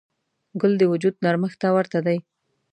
ګل د وجود نرمښت ته ورته دی.